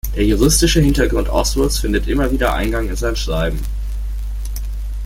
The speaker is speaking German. Der juristische Hintergrund Oswalds findet immer wieder Eingang in sein Schreiben.